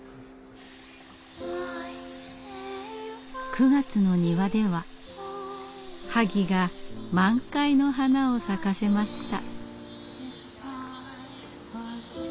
９月の庭では萩が満開の花を咲かせました。